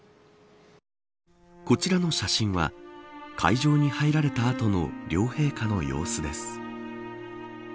こちらの写真は会場に入られた後の両陛下の様子です。